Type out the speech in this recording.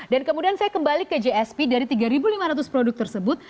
dan kemudian saya kembali ke jsp dari tiga lima ratus produk tersebut